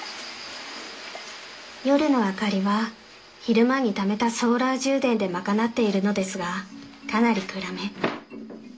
［夜の明かりは昼間にためたソーラー充電でまかなっているのですがかなり暗め］